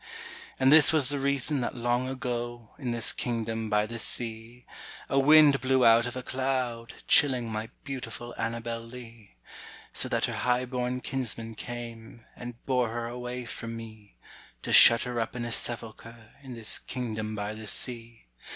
And this was the reason that long ago, In this kingdom by the sea, A wind blew out of a cloud, chilling My beautiful Annabel Lee; So that her high born kinsmen came, And bore her away from me, To shut her up in a sepulchre, In this kingdom by the sea.